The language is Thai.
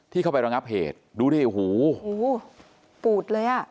ที่เข้าไประงับเหตุดูได้หูปูดเลย